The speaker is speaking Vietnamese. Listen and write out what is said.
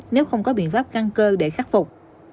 nếu không có biện pháp căn cơ để khắc phục